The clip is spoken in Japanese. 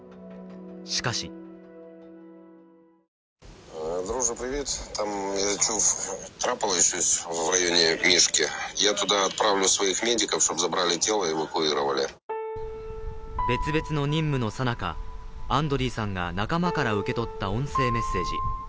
しかし別々の任務のさなか、アンドリーさんが仲間から受け取った音声メッセージ。